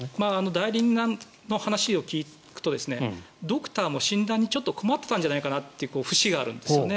代理人の話を聞くとドクターも診断にちょっと困ってたんじゃないかという節があるんですね。